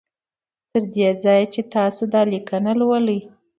تر دې ځایه چې تاسو دا لیکنه لولی